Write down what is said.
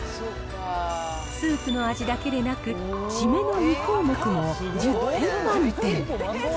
スープの味だけでなく、締めの２項目も１０点満点。